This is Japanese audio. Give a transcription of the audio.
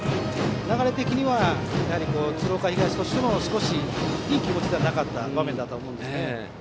流れ的には鶴岡東としても少しいい気持ちではなかった場面だったと思います。